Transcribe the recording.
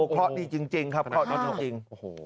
ข้อดีจริงครับข้อดีจริง